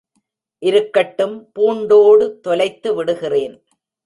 இருக்கட்டும் பூண்டோடு தொலைத்து விடுகிறேன்.